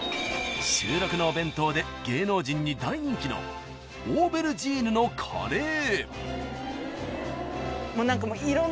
［収録のお弁当で芸能人に大人気のオーベルジーヌのカレー］